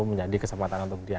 menjadi kesempatan untuk dia